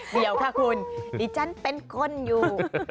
เดี๋ยวค่ะคุณดิฉันเป็นคนอยู่